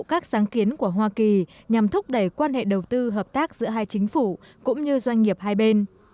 các sáng kiến của hoa kỳ nhằm thúc đẩy quan hệ đầu tư hợp tác giữa hai chính phủ cũng như doanh nghiệp hai bên